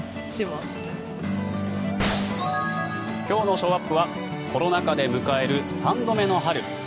今日のショーアップはコロナ禍で迎える３度目の春。